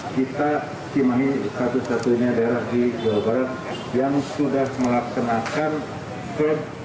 kota cimahi telah meningkatkan masker terdekatan dengan enorme durasi sinar